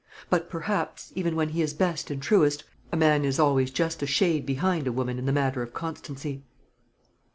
But perhaps, even when he is best and truest, a man is always just a shade behind a woman in the matter of constancy.